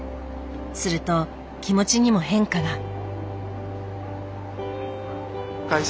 すると気持ちにも変化が。